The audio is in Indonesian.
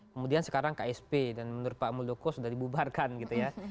kemudian sekarang ksp dan menurut pak muldoko sudah dibubarkan gitu ya